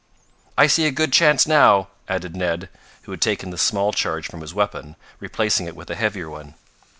"I see a good chance now," added Ned, who had taken the small charge from his weapon, replacing it with a heavier one.